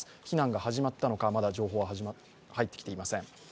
避難が始まったのか、まだ情報は入ってきていません。